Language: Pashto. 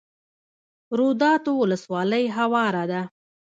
روداتو ولسوالۍ هواره ده؟